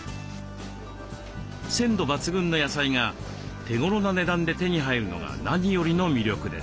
鮮度抜群の野菜が手頃な値段で手に入るのが何よりの魅力です。